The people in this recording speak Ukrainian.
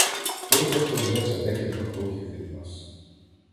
Потяг повзе за декілька кроків від нас.